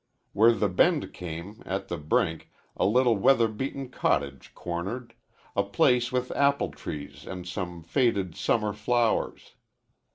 Where the bend came, at the brink, a little weather beaten cottage cornered a place with apple trees and some faded summer flowers.